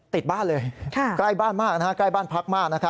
ติดบ้านเลยใกล้บ้านมากใกล้บ้านพักมาก